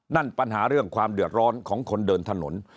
นั่นปัญหาเรื่องความเดือดร้อนของคนเดินถนน